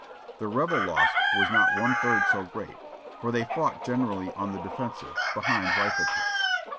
The Rebel loss was not one third so great, for they fought generally on the defensive, behind rifle pits.